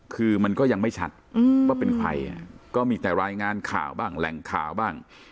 คือมันก็ยังไม่ชัดว่าเป็นใครก็มีแต่รายงานข่าวบ้างแหล่งข่าวบ้าง